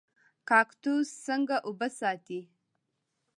کاکتوس څنګه اوبه ساتي؟